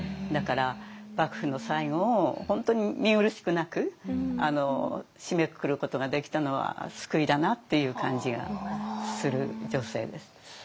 だから幕府の最後を本当に見苦しくなく締めくくることができたのは救いだなっていう感じがする女性です。